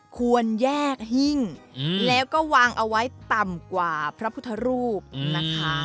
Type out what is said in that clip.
ควรแยกหิ้งแล้วก็วางเอาไว้ต่ำกว่าพระพุทธรูปนะคะ